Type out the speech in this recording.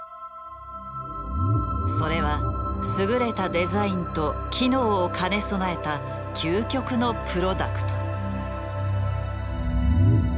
それは優れたデザインと機能を兼ね備えた究極のプロダクト。